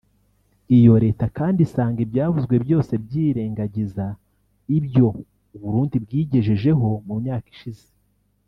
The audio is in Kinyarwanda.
Iyo leta kandi isanga ibyavuzwe byose byirengagiza ibyo u Burundi bwigejejeho mu myaka ishize